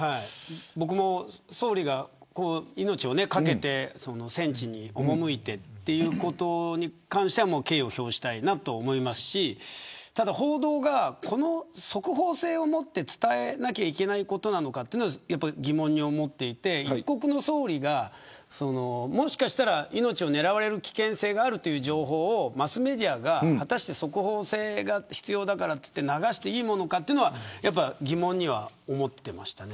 僕も総理が命を懸けて戦地に赴いてということに関しては敬意を表したいと思いますしただ、報道が速報性をもって伝えなきゃいけないことなのかということは疑問に思っていて一国の総理がもしかしたら命を狙われる危険があるという情報をマスメディアが速報性が必要だからといって流していいものかというのは疑問には思っていました。